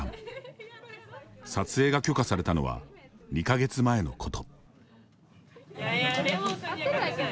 撮影が許可されたのは２か月前のこと。